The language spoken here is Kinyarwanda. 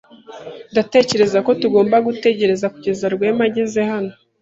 Ndatekereza ko tugomba gutegereza kugeza Rwema ageze hano.